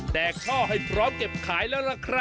ช่อให้พร้อมเก็บขายแล้วล่ะครับ